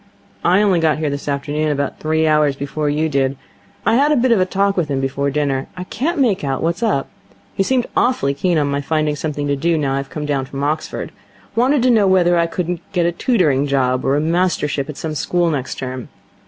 'I only got here this afternoon, about three hours before you did. I had a bit of a talk with him before dinner. I can't make out what's up. He seemed awfully keen on my finding something to do now I've come down from Oxford. Wanted to know whether I couldn't get a tutoring job or a mastership at some school next term.